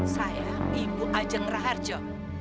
saya ibu ajeng raharjo